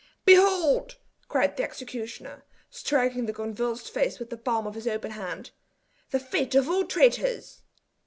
"Behold!" cried the executioner, striking the convulsed face with the palm of his open hand, "the fate of all traitors!"